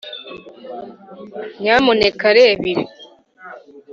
nyamuneka reba ibi;